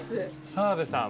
澤部さん